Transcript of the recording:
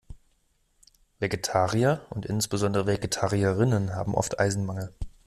Vegetarier und insbesondere Vegetarierinnen haben oft Eisenmangel.